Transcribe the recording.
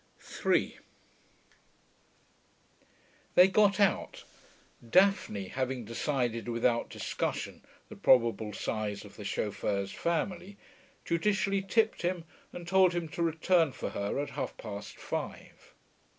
3 They got out. Daphne, having decided without discussion the probable size of the chauffeur's family, judicially tipped him and told him to return for her at half past five.